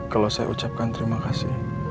kalau saya ucapkan terima kasih